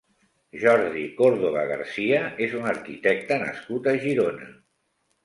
Jordi Córdoba García és un arquitecte nascut a Girona.